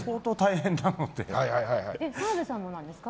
澤部さんもなんですか？